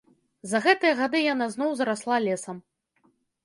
За гэтыя гады яна зноў зарасла лесам.